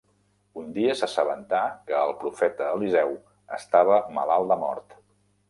Un dia s'assabentà que el profeta Eliseu estava malalt de mort.